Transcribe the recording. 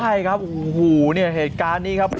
โอ้โหนะครับโหเนี่ยเหตุการณ์นี้ครับ